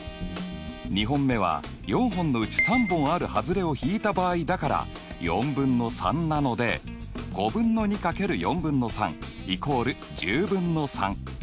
２本目は４本のうち３本あるはずれを引いた場合だから４分の３なので５分の２×４分の３＝１０分の３。